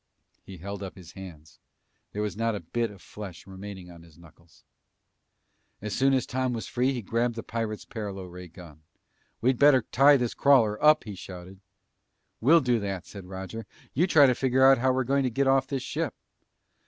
He held up his hands. There was not a bit of flesh remaining on his knuckles. As soon as Tom was free he grabbed the pirate's paralo ray gun. "We'd better tie this crawler up!" he shouted. "We'll do that," said Roger. "You try to figure out how we're going to get off this ship!"